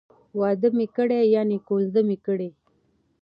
واده می کړی ،یعنی کوزده می کړې